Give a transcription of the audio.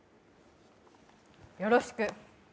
よろしく！